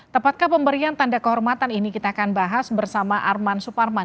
tepatkah pemberian tanda kehormatan ini kita akan bahas bersama arman suparman